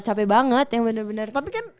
capek banget yang bener bener tapi kan